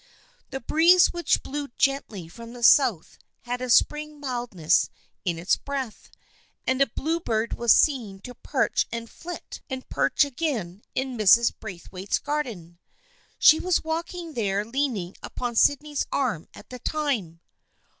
The breeze which blew gently from the South had a spring mildness in its breath, and a bluebird was seen to perch and flit and perch again in Mrs. Braithwaite's garden. She was walking there leaning upon Sydney's arm at the time.